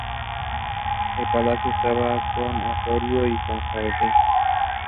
El palacio contaba con oratorio y con un jardín.